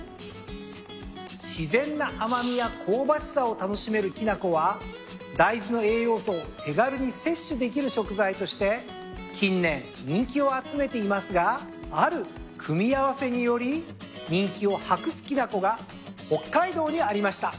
自然な甘味や香ばしさを楽しめるきな粉は大豆の栄養素を手軽に摂取できる食材として近年人気を集めていますがある組み合わせにより人気を博すきな粉が北海道にありました。